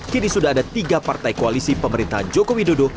kini sudah ada tiga partai koalisi pemerintahan joko widodo